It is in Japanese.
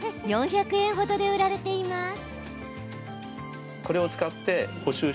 ４００円ほどで売られています。